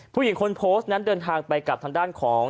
ผู้หญิงคนโพสต์นั้นเดินทางไปกับทางด้านของ